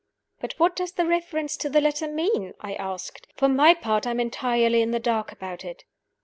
"But what does the reference to the letter mean?" I asked. "For my part, I am entirely in the dark about it."